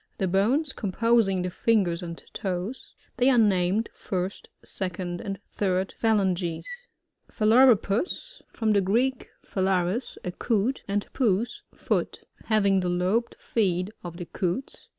The bones com posing the fingers and toes. They are named, first, second, and third phalanges. Phalaropus. — BVom the Greek, pha lariSt a Coot, and pays, foot Having the lobed feet of the Coots.